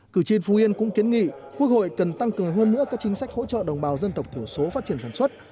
cử tri phú yên cũng kiến nghị quốc hội cần tăng cường hơn nữa các chính sách hỗ trợ đồng bào dân tộc thiểu số phát triển sản xuất